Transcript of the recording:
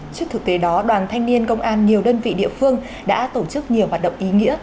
trước thực tế đó đoàn thanh niên công an nhiều đơn vị địa phương đã tổ chức nhiều hoạt động ý nghĩa